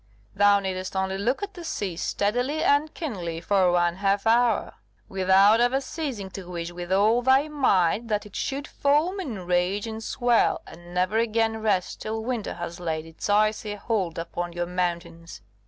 Thou needest only look at the sea steadily and keenly for one half hour, without ever ceasing to wish with all thy might that it should foam and rage and swell, and never again rest till winter has laid its icy hold upon your mountains.